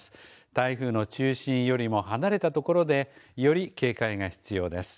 台風の中心よりも離れたところでより警戒が必要です。